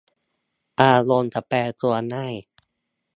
อารมณ์จะแปรปรวนง่าย